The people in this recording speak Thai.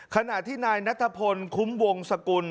ขณะที่นายนัทพลคุ้มวงสกุล